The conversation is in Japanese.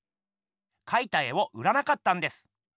かいた絵を売らなかったんです。